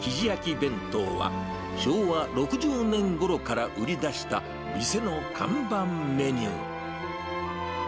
弁当は、昭和６０年ごろから売り出した、店の看板メニュー。